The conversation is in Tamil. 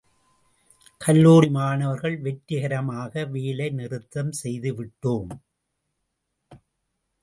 கல்லூரி மாணவர்கள் வெற்றிகரமாக வேலை நிறுத்தம் செய்துவிட்டோம்.